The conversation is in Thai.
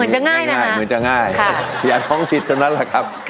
เหมือนจะง่ายน่ะครับ